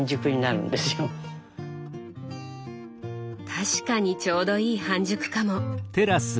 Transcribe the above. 確かにちょうどいい半熟かも。